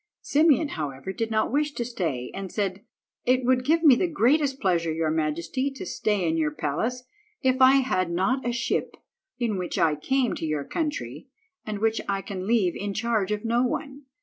Simeon, however, did not wish to stay, and said— "It would give me the greatest pleasure, your majesty, to stay in your palace if I had not a ship in which I came to your country, and which I can leave in charge of no one.